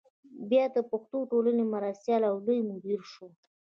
بیا د پښتو ټولنې مرستیال او لوی مدیر شو.